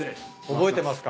覚えてますか。